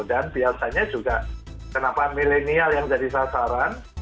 dan biasanya juga kenapa milenial yang jadi sasaran